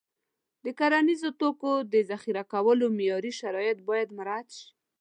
د کرنیزو توکو د ذخیره کولو معیاري شرایط باید مراعت شي.